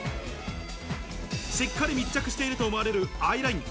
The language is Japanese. しっかり密着していると思われるアイライン。